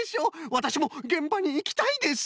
わたしもげんばにいきたいです。